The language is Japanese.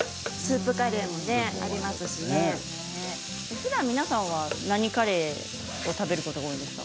ふだん皆さんは何カレーを食べることが多いですか？